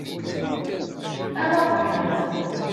Ad aḍneɣ.